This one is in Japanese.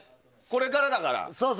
これからだから。